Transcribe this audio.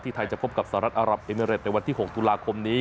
ไทยจะพบกับสหรัฐอารับเอมิเรตในวันที่๖ตุลาคมนี้